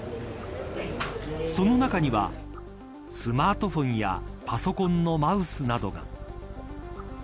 その中にはスマートフォンやパソコンのマウスなどが。